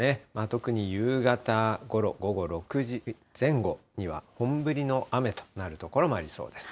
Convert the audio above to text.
特に夕方ごろ、午後６時前後には、本降りの雨となる所もありそうです。